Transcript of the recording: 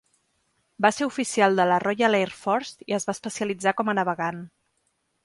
Va ser oficial de la Royal Air Force i es va especialitzar com a navegant.